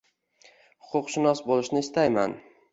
Huquqshunos bo`lishni istayman